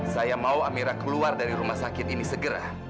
saya mau amira keluar dari rumah sakit ini segera